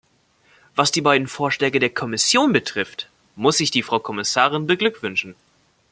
Was die beiden Vorschläge der Kommission betrifft, muss ich die Frau Kommissarin beglückwünschen.